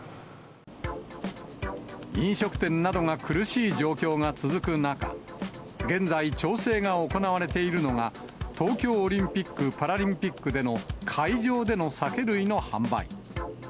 飲食店などが苦しい状況が続く中、現在調整が行われているのが、東京オリンピック・パラリンピックでの会場での酒類の販売。